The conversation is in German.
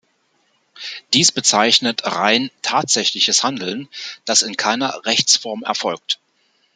Dies bezeichnet rein tatsächliches Handeln, das in keiner Rechtsform erfolgt.